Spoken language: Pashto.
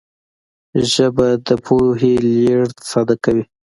ژبه د پوهې لېږد ساده کوي